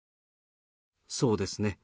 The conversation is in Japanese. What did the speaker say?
そうですね。